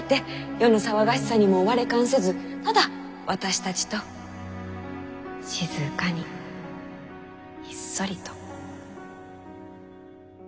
世の騒がしさにも我関せずただ私たちと静かにひっそりと。